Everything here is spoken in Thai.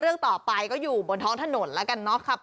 เรื่องต่อไปก็อยู่บนท้องถนนแล้วกันเนาะครับ